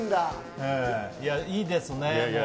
いいですね。